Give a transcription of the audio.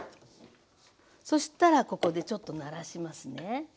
そしたらここでちょっとならしますね。